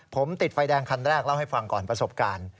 ผมติดไฟแดงคันแรกเล่าให้ฟังก่อนประสบการณ์